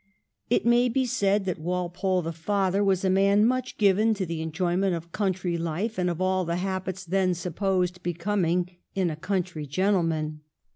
It may be said that Walpole, the father, was a man much given to the enjoyment of country life and of all the habits then supposed becoming in a country gentleman.